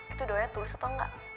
itu doanya tulus atau enggak